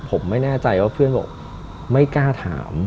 ผมไม่แน่ใจว่าเพื่อนบอกไม่กล้าถาม